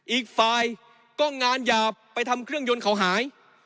อีกฝ่ายก็งานหยาบไปทำเครื่องยนต์เขาหาย